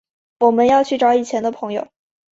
我们要去找以前的朋友